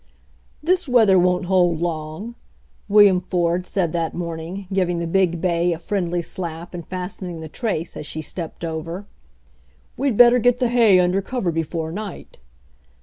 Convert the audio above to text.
"This weather won't hold long," William Ford said that morning, giving the big bay a friendly slap and fastening the trace as she stepped over. "We'd better get the hay under cover before night."